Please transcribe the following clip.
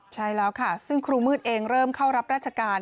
ใช่แล้วค่ะซึ่งครูมืดเองเริ่มเข้ารับราชการ